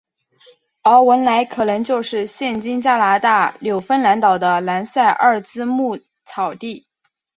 而文兰可能就是现今加拿大纽芬兰岛的兰塞奥兹牧草地。